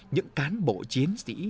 những cán bộ chiến sĩ